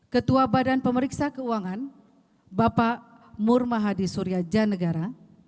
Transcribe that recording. ketua badan pemeriksa keuangan bapak murmahadi surya janegara